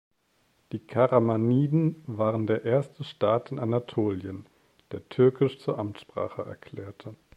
Die Karamaniden waren der erste Staat in Anatolien, der Türkisch zur Amtssprache erklärte.